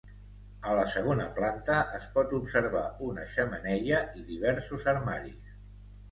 A la segona planta, es pot observar una xemeneia i diversos armaris.